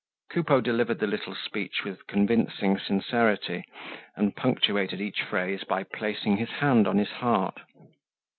Coupeau delivered the little speech with convincing sincerity and punctuated each phrase by placing his hand on his heart.